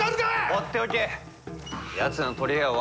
放っておけ。